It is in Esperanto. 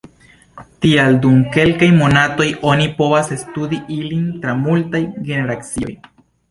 Tial dum kelkaj monatoj oni povas studi ilin tra multaj generacioj.